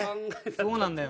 そうなんだよ。